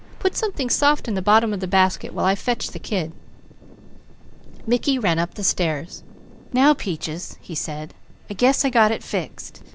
Put something soft in the bottom of the basket while I fetch the kid." Mickey ran up the stairs. "Now Peaches," he said, "I guess I got it fixed.